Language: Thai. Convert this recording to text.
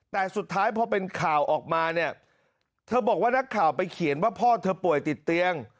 แต่สุดท้ายพอเป็นข่าวออกมาเนี่ยเธอบอกว่านักข่าวไปเขียนว่าพ่อเธอป่วยติดเตียง